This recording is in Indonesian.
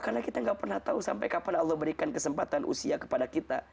karena kita gak pernah tahu sampai kapan allah berikan kesempatan usia kepada kita